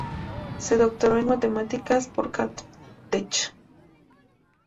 Se doctoró en matemáticas por Caltech.